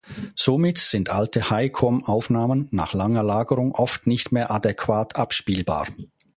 Somit sind alte High-Com-Aufnahmen nach langer Lagerung oft nicht mehr adäquat abspielbar.